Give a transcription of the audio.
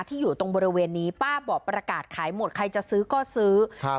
อยู่ตรงบริเวณนี้ป้าบอกประกาศขายหมดใครจะซื้อก็ซื้อครับ